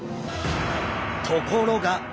ところが！